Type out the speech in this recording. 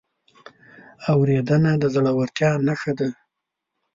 اورېدنه د زړورتیا نښه ده.